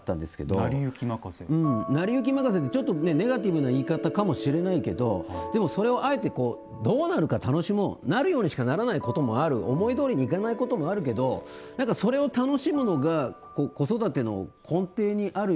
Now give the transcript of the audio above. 成り行き任せってちょっとネガティブな言い方かもしれないけどでもそれをあえてどうなるか楽しもうなるようにしかならないこともある思いどおりにいかないこともあるけどそれを楽しむのが子育ての根底にあるような気がするんですよね。